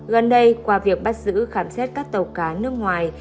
gần đây qua việc bắt giữ khám xét các tàu cá nước ngoài